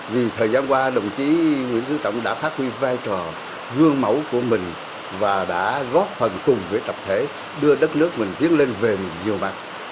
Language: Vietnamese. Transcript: vì thời gian qua đồng chí nguyễn phú trọng đã phát huy vai trò gương mẫu của mình và đã góp phần cùng với tập thể đưa đất nước mình tiến lên về nhiều mặt